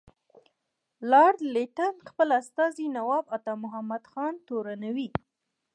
لارډ لیټن خپل استازی نواب عطامحمد خان تورنوي.